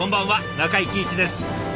中井貴一です。